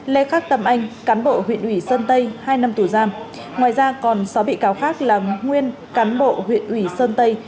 lê khắc tâm anh cán bộ huyện ủy sơn tây hai năm tù giam ngoài ra còn sáu bị cáo khác là nguyên cán bộ huyện ủy sơn tây